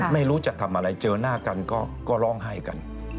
ไม่รู้จะทำอะไรเจอหน้ากันก็ร้องไห้กัน